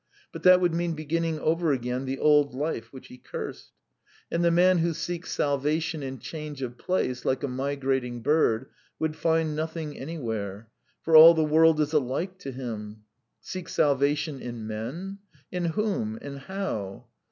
But that would mean beginning over again the old life which he cursed. And the man who seeks salvation in change of place like a migrating bird would find nothing anywhere, for all the world is alike to him. Seek salvation in men? In whom and how?